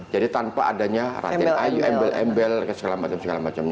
jadi tanpa adanya raden ayu embel embel segala macam macam